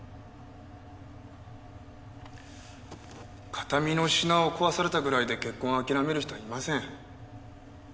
形見の品を壊されたぐらいで結婚をあきらめる人はいません。